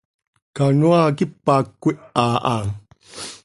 Canoaa quipac cöquiha ha.